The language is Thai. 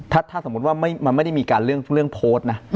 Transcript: ถ้าสมมุติว่ามันไม่ได้มีการเรื่องโพสต์นะ